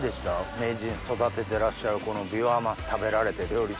名人育ててらっしゃるこのビワマス食べられて料理長。